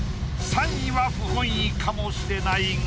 ３位は不本意かもしれないが。